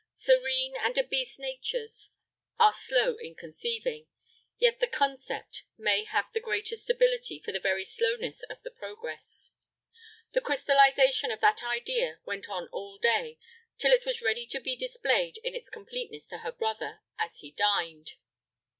Serene and obese natures are slow in conceiving, yet the concept may have the greater stability for the very slowness of the progress. The crystallization of that idea went on all day, till it was ready to be displayed in its completeness to her brother as he dined.